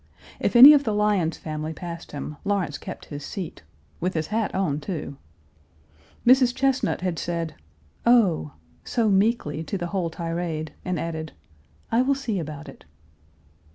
If any of the Lyons family passed him. Lawrence kept his seat, with his hat on, too. Mrs. Chesnut had said: "Oh!" so meekly to the whole tirade, and added, "I will see about it."